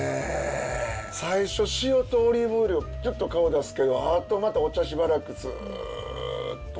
最初塩とオリーブオイルがピュッと顔出すけどあとまたお茶しばらくずっと。